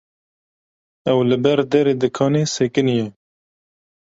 ew li ber derê dikanê sekiniye.